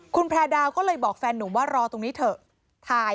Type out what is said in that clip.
คุณแพร่ดาวก็เลยบอกแฟนหนุ่มว่ารอตรงนี้เถอะ